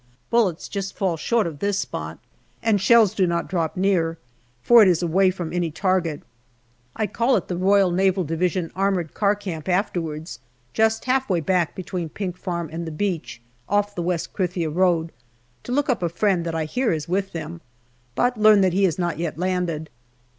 Bullets just fall short of this spot, and shells do not drop near, for it is away from any target. I call at the R.N.D. armoured car camp afterwards, just half way back between Pink Farm and the beach, off the West Krithia road, to look up a friend that I hear is with them, but learn that he has not yet landed.